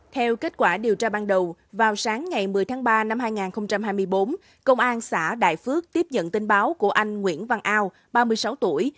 theo kết quả điều tra ban đầu vào sáng ngày một mươi tháng ba năm hai nghìn hai mươi bốn công an xã đại phước tiếp nhận tin báo của anh nguyễn văn ao ba mươi sáu tuổi